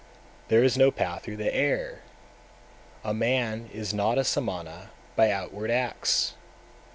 255. There is no path through the air, a man is not a Samana by outward acts.